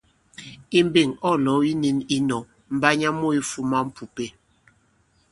Ì mbeŋ, ɔ̌ lɔ̌w yi nĩn yī nɔ̄, Mbanya mu yifūmā m̀pùpe.